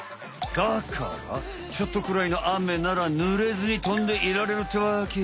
だからちょっとくらいのあめならぬれずに飛んでいられるってわけ。